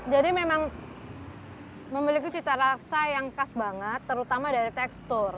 jadi memang memiliki cita rasa yang khas banget terutama dari tekstur